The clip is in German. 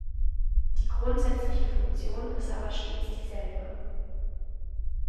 Die grundsätzliche Funktion ist aber stets dieselbe.